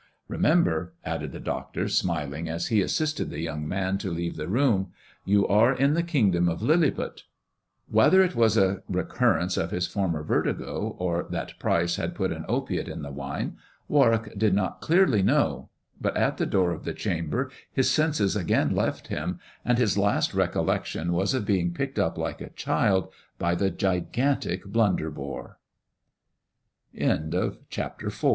Remember," added the doctor, smiling, as he assisted the young man to leave the room, " you are in the kingdom of Lilliput." Whether it was a recurrence of his former vertigo, or that Pryce had put an opiate in the wine, Warwick did not clearly know; but at the door of the chamber his senses again left him, and his last recollection was of being picked up like a child by the giga